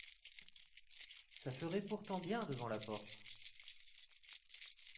Ca ferait pourtant bien devant la porte.